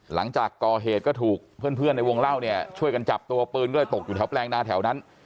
หลังจากก่อเหตุก็ถูกเพื่อนในวงเล่าเนี่ยช่วยกันจับตัวปืนก็เลยตกอยู่แถวแปลงนาแถวนั้น